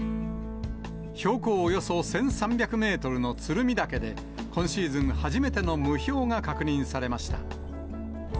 標高およそ１３００メートルの鶴見岳で、今シーズン初めての霧氷が確認されました。